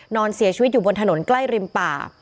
นอนเสียชีวิตอยู่บนถนนใกล้ริมป่า